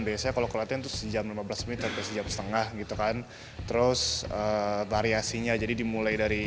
biasanya kalau kulatin sejam lima belas menit setengah gitu kan terus variasinya jadi dimulai dari